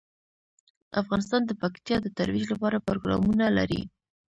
افغانستان د پکتیا د ترویج لپاره پروګرامونه لري.